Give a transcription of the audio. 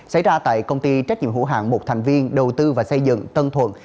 xảy ra tại công ty trách nhiệm hữu hạng một thành viên đầu tư và xây dựng tân thuận